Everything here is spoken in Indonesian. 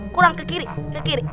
kurang ke kiri